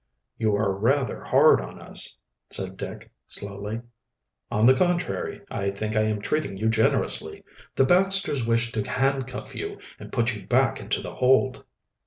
"You are rather hard on us," said Dick slowly. "On the contrary, I think I am treating you generously. The Baxters wish to handcuff you and put you back into the hold."